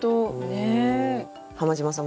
浜島さん